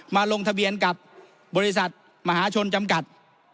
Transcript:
ลงทะเบียนกับบริษัทมหาชนจำกัด